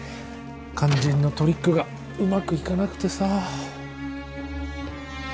肝心のトリックがうまくいかなくてさ。